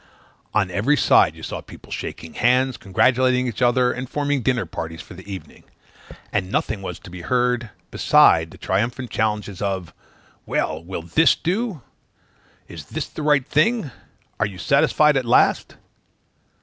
On every side you saw people shaking hands, congratulating each other, and forming dinner parties for the evening; and nothing was to be heard but triumphant challenges of "Well! will this do?" "Is this the right thing?" "Are you satisfied at last?"